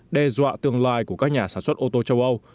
đe dọa tương lai của các nhà sản xuất ô tô châu âu